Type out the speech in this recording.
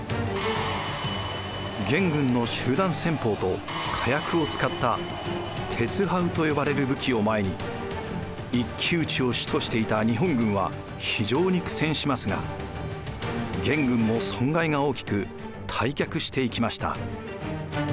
元軍の集団戦法と火薬を使ったてつはうと呼ばれる武器を前に一騎打ちを主としていた日本軍は非常に苦戦しますが元軍も損害が大きく退却していきました。